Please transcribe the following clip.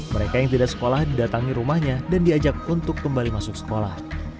mereka yang tidak sekolah didatangi rumahnya dan diajak untuk kembali masuk sekolah